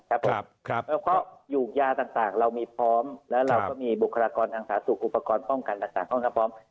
แล้วก็ยูกยาต่างเรามีพร้อมแล้วเราก็มีบุคลากรทางสาธารณ์สุขอุปกรณ์ป้องกันต่างพร้อม